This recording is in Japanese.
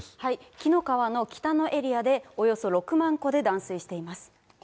紀の川の北のエリアで、およそ６万戸で断水しています。